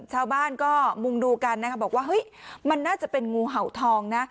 ชาวบ้านก็มุ่งดูกันนะคะบอกว่าเฮ้ยมันน่าจะเป็นงูเห่าทองนะ